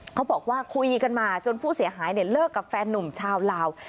เขาบอกว่าคุยกันมาจนผู้เสียหายเลิกกับแฟนนุ่มชาวลาว